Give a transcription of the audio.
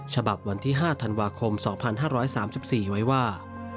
ฉบับวันที่๕ธันวาคม๒๕๓๔ไว้ว่า